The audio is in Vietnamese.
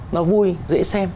nó vui dễ xem